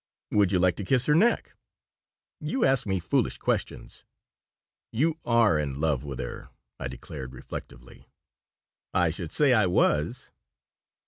"Would you like to kiss her neck?" "You ask me foolish questions." "You are in love with her," I declared, reflectively "I should say I was."